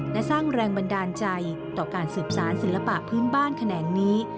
และสร้างแรงบันดาลใจต่อการสืบสารศิลปะพื้นบ้านแขนงนี้